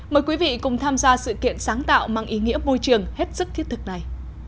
mời quý vị cùng tham gia sự kiện sáng tạo mang ý nghĩa môi trường hết sức thiết thực này